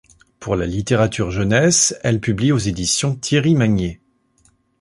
Pour la littérature jeunesse, elle publie aux éditions Thierry Magnier.